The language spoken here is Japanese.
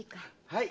はい。